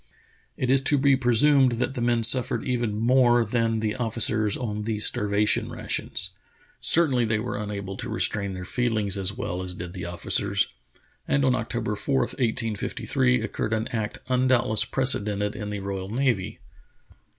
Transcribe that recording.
It is to be presumed that the men suffered even more than the officers on these starvation rations. Certainly they were unable to restrain their feehngs as w^ell as did the officers, and on October 4, 1853, occurred an act doubtless unprecedented in the royal nav}'.